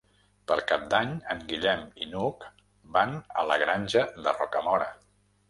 Per Cap d'Any en Guillem i n'Hug van a la Granja de Rocamora.